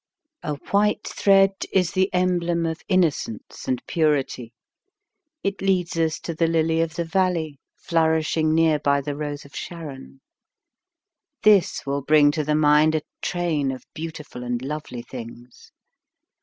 A white thread is the embleih of in nocence and purity; it leads us to the lily of the valley, flourishing near by the Rose of Sharon. This will bring to the mind a train of beautiful and lovely things.